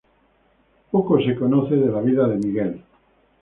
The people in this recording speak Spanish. Poco es conocido de la vida de Miguel.